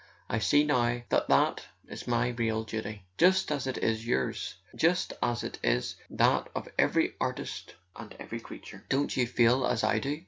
I see now that that is my real duty—just as it is yours, just as it is that of every artist and every creator. Don't you feel as I do